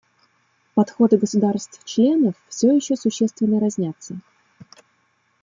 Подходы государств-членов все еще существенно разнятся.